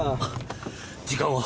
時間は？